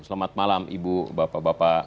selamat malam ibu bapak bapak